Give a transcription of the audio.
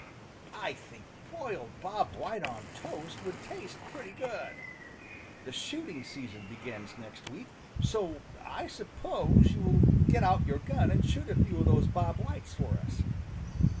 I think broiled Bob White on toast would taste pretty good. The shooting season begins next week, so I suppose you will get out your gun and shoot a few of those Bob Whites for us."